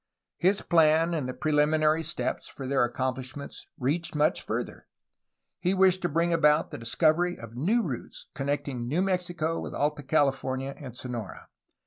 His plans and the preliminary steps for their accomplish ment reached much further. He wished to bring about the discovery of new routes connecting New Mexico with Alta California and Sonora.